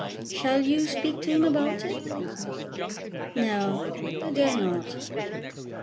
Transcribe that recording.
"Shall you speak to him about it?" "No; I dare not.